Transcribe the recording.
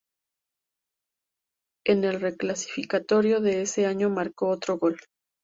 En el reclasificatorio de ese año marcó otro gol.